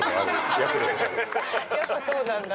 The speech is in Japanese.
やっぱそうなんだ